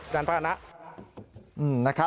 จันทร์พระอาณะ